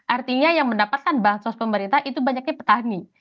artinya yang mendapatkan bansos pemerintah itu banyaknya petani